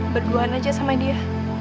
berduaan aja sama dia